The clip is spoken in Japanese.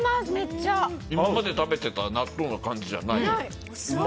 今まで食べてた納豆の感じじゃない。